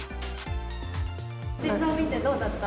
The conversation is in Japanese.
水槽見てどうだった？